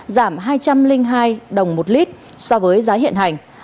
giảm hai trăm linh hai đồng một lít so với giá hiện hành